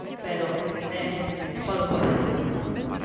Pero, ben, podo facelo.